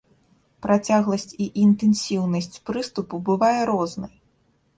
Працягласць і інтэнсіўнасць прыступу бывае рознай.